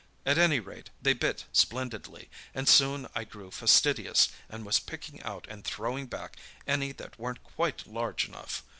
At any rate, they bit splendidly, and soon I grew fastidious, and was picking out and throwing back any that weren't quite large enough.